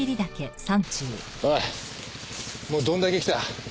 おいもうどんだけ来た？